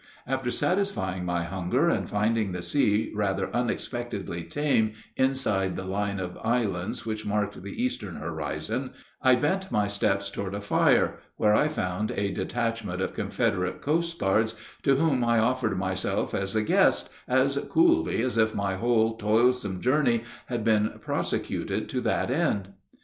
After satisfying my hunger, and finding the sea rather unexpectedly tame inside the line of islands which marked the eastern horizon, I bent my steps toward a fire, where I found a detachment of Confederate coastguards, to whom I offered myself as a guest as coolly as if my whole toilsome journey had been prosecuted to that end.